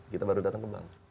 kita baru datang ke bank